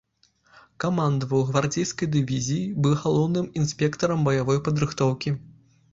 Камандаваў гвардзейскай дывізіяй, быў галоўным інспектарам баявой падрыхтоўкі.